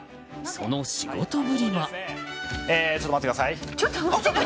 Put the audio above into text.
その仕事ぶりは。